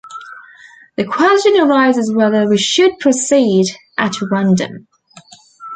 The question arises whether we should proceed at random.